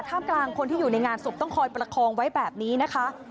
ท่ามกลางคนที่อยู่ในงานศพต้องคอยประคองไว้แบบนี้นะคะ